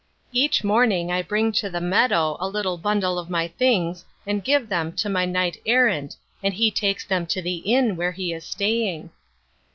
Each morning I bring to the meadow a little bundle of my things and give them to my knight errant and he takes them to the inn where he is staying.